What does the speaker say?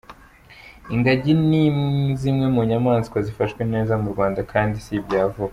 Ingagi ni zimwe mu nyamaswa zifashwe neza mu Rwanda kandi si ibya vuba.